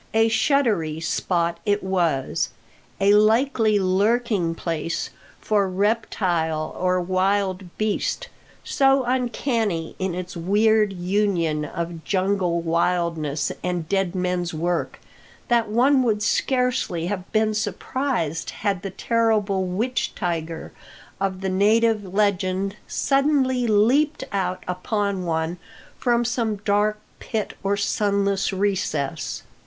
A shuddery spot it was! a likely lurking place for reptile or wild beast, so uncanny in its weird union of jungle wildness and dead men's work, that one would scarcely have been surprised had the terrible witch tiger of the native legend suddenly leapt out upon one from some dark pit or sunless recess.